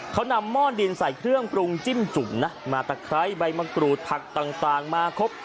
เขานำหม้อดินใส่เครื่องปรุงจิ้มจุ่มนะมาตะไคร้ใบมะกรูดผักต่างมาครบ